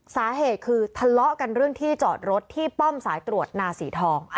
สาเหตุคือทะเลาะกันเรื่องที่จอดรถที่ป้อมสายตรวจนาสีทอง